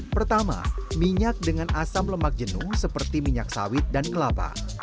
pertama minyak dengan asam lemak jenuh seperti minyak sawit dan kelapa